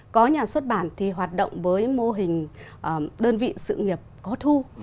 có nhà xuất bản thì hoạt động với mô hình đơn vị sự nghiệp có thu